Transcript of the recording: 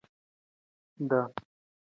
د روغتیا ساتل د مور په کور کې پیل کیږي.